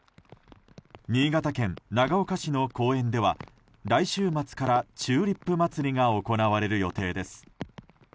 新潟県長岡市の公園では来週末からチューリップまつりが行われる予定です。